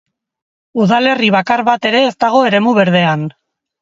Udalerri bakar bat ere ez dago eremu berdean.